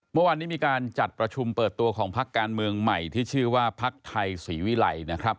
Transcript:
เมื่อวานนี้มีการจัดประชุมเปิดตัวของพักการเมืองใหม่ที่ชื่อว่าพักไทยศรีวิลัยนะครับ